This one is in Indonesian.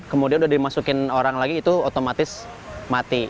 kemudian udah dimasukin orang lagi itu otomatis mati